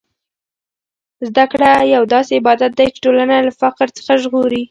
زده کړه یو داسې عبادت دی چې ټولنه له فقر څخه ژغوري.